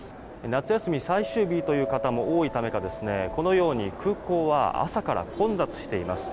夏休み最終日という方も多いためかこのように空港は朝から混雑しています。